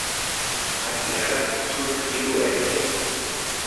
...a qui ara substitueix.